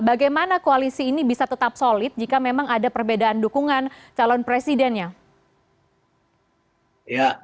bagaimana koalisi ini bisa tetap solid jika memang ada perbedaan dukungan calon presidennya